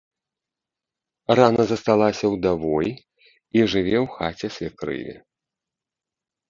Рана засталася ўдавой і жыве ў хаце свекрыві.